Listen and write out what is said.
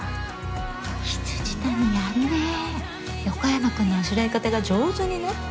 未谷やるね横山君のあしらい方が上手になって。